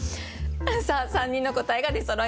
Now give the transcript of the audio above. さあ３人の答えが出そろいました。